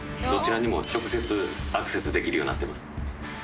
どちらにも直接アクセスできるようになってます。